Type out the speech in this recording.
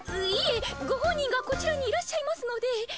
いえご本人がこちらにいらっしゃいますので。